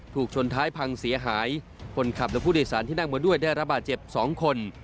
ถูกชนท้ายพังเสียหายคนขับและผู้โดยสารที่นั่งมาด้วยได้ระบาดเจ็บ๒คน